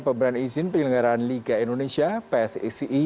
pemberan izin penyelenggaraan liga indonesia psixi